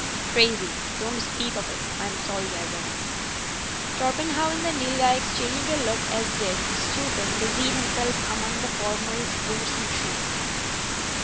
"Crazy. Don't speak of it. I'm sorry I went." Torpenhow and the Nilghai exchanged a look as Dick, stooping, busied himself among the former's boots and trees.